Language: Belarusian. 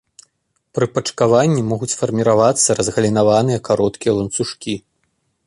Пры пачкаванні могуць фарміравацца разгалінаваныя, кароткія ланцужкі.